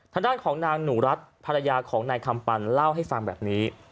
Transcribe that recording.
ทางด้านของนางหนูรัฐภรรยาของนายคำปันเล่าให้ฟังแบบนี้